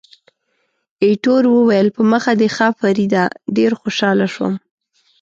ایټور وویل، په مخه دې ښه فریډه، ډېر خوشاله شوم.